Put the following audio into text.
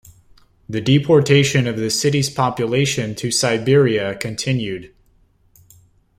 The deportation of the city's population to Siberia continued.